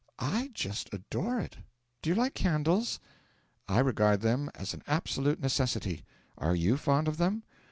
'I just adore it! Do you like candles?' 'I regard them as an absolute necessity. Are you fond of them?'